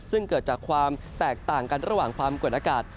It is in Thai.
ซึ่งเกิดจากความแตกต่างกันระหว่างความกดอากาศ